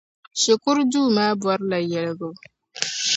Shikuru duu maa bɔrila yaliɣibu.